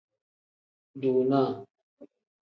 Dunaa.